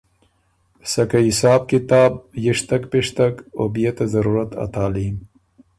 سکه حساب کتاب، یِشتک، پِشتک او بيې ته ضرورت ا تعلیم،